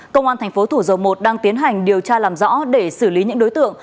công an thành phố thủ dầu một đang tiến hành điều tra làm rõ để xử lý những đối tượng